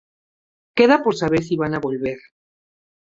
Queda por saber si van a volver.